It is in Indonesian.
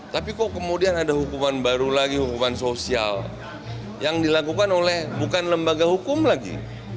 tapi kok kemudian ada hukuman baru lagi hukuman sosial yang dilakukan oleh bukan lembaga hukum lagi